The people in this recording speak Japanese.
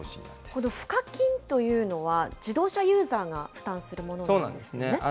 この賦課金というのは、自動車ユーザーが負担するものなんでそうなんですね。